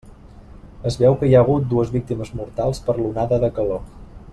Es veu que hi ha hagut dues víctimes mortals per l'onada de calor.